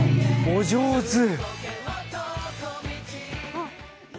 お上手！